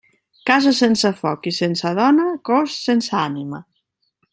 Casa sense foc i sense dona, cos sense ànima.